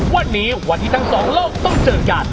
วันนี้วันที่ทั้งสองโลกต้องเจอกัน